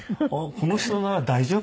この人なら大丈夫。